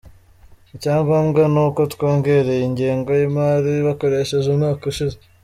Icya ngombwa ni uko twongereye ingengo y’imari bakoresheje umwaka ushize.